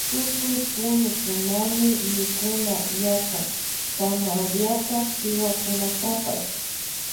Tukuy kunukunami mikunata yachan zanahoriata y hiwakunatapash.